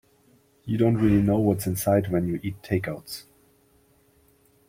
You don't really know what's inside when you eat takeouts.